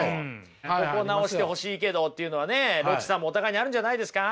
ここ直してほしいけどっていうのはねロッチさんもお互いにあるんじゃないですか？